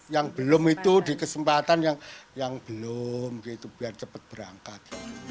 yang belum itu di kesempatan yang belum gitu biar cepat berangkat